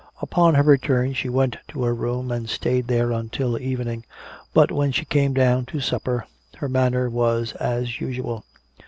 Upon her return she went to her room and stayed there until evening, but when she came down to supper her manner was as usual.